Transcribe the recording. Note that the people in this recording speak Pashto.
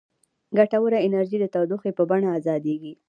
ګټوره انرژي د تودوخې په بڼه ازادیږي.